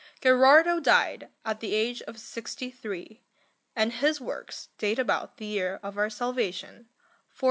Gherardo died at the age of sixty three, and his works date about the year of our salvation 1470.